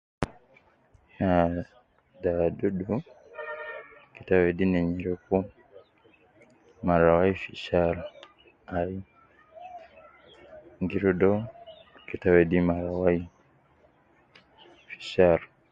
Ahhh, dawa dudu keta wedi ne nyereku mara wai fi shar, aii gi rudu uwo keta wedi mara wai, fi shar